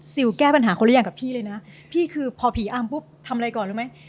แก้ปัญหาคนละอย่างกับพี่เลยนะพี่คือพอผีอำปุ๊บทำอะไรก่อนรู้ไหม